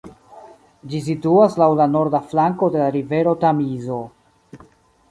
Ĝi situas laŭ la norda flanko de la rivero Tamizo.